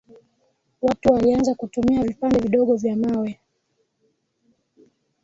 watu walianza kutumia vipande vidogo vya mawe